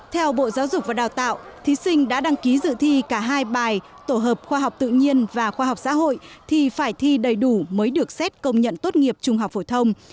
theo bộ giáo dục và đào tạo thí sinh đã đăng ký dự thi cả hai bài tổ hợp khoa học tự nhiên và khoa học xã hội thì phải thi đầy đủ mới được xét công nhận tốt nghiệp trung học phổ thông